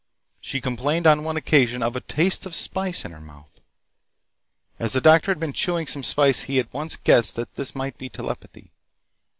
She complained on one occasion of a taste of spice in her mouth. As the doctor had been chewing some spice, he at once guessed that this might be telepathy.